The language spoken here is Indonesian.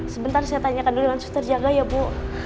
sebentar saya tanyakan dulu dengan suster jaga ya bu